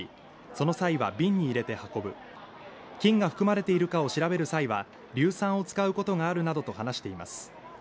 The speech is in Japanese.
その際は瓶に入れて運ぶ金が含まれているかを調べる際は硫酸を使うことがあるなどと話しています